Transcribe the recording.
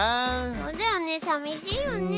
そうだよねさみしいよね。